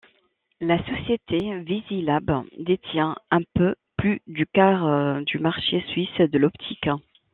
La société Visilab détient un peu plus du quart du marché suisse de l’optique.